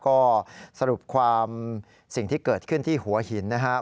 ก็สรุปความสิ่งที่เกิดขึ้นที่หัวหินนะครับ